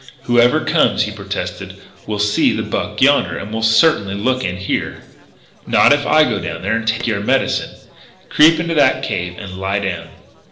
"Whoever comes," he protested, "will see the buck yonder, and will certainly look in here " "Not if I go down there and take your medicine. Creep into that cave and lie down."